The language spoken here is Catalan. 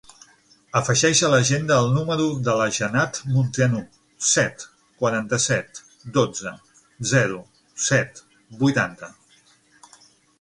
Afegeix a l'agenda el número de la Janat Munteanu: set, quaranta-set, dotze, zero, set, vuitanta.